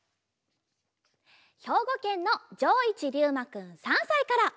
ひょうごけんのじょういちりゅうまくん３さいから。